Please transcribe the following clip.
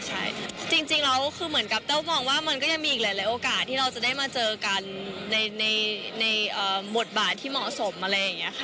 ใช่จริงแล้วคือเหมือนกับแต้วมองว่ามันก็ยังมีอีกหลายโอกาสที่เราจะได้มาเจอกันในบทบาทที่เหมาะสมอะไรอย่างนี้ค่ะ